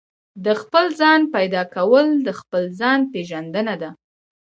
د خپل ځان پيدا کول د خپل ځان پېژندنه ده.